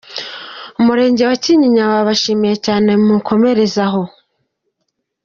umurenge wa Kinyinya wabashimiye cyane, mukomereze aho.